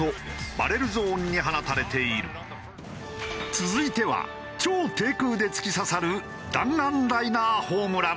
続いては超低空で突き刺さる弾丸ライナーホームラン。